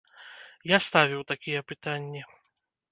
Я ставіў такія пытанні.